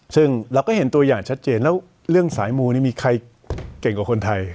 ซึ่งเราก็เห็นตัวอย่างชัดเจนแล้วเรื่องสายมูนี่มีใครเก่งกว่าคนไทย